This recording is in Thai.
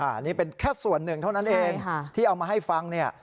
อันนี้เป็นแค่ส่วนหนึ่งเท่านั้นเองที่เอามาให้ฟังเนี่ย